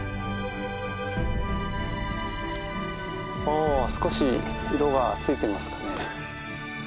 お少し色がついてますかね。